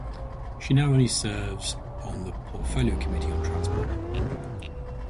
She now only serves on the Portfolio Committee on Transport.